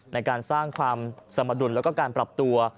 ในการสร้างความสมดุลแล้วก็การปรับตัว